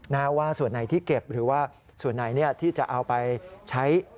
ว่าส่วนไหนที่เก็บหรือว่าส่วนไหนที่จะเอาไปใช้